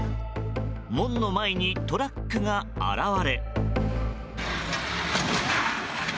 門の前にトラックが現れ。